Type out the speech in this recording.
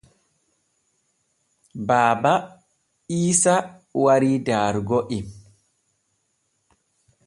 Baaba Iisa warii daarugo en.